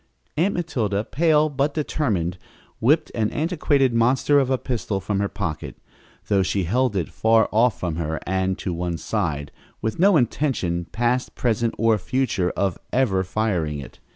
Aunt Matilda, pale but determined, whipped an antiquated monster of a pistol from her pocket, though she held it far off from her and to one side, with no intention, past, present or future, of ever firing it.